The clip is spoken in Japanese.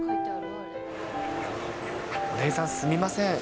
お姉さん、すみません。